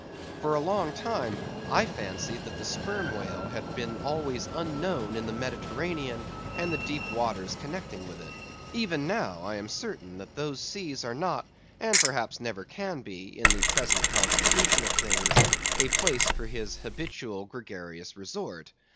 For a long time I fancied that the sperm whale had been always unknown in the Mediterranean and the deep waters connecting with it. Even now I am certain that those seas are not, and perhaps never can be, in the present constitution of things, a place for his habitual gregarious resort.